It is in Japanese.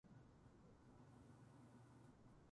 文章の収集に協力中だよ